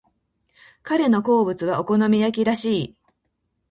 彼の好物はお好み焼きらしい。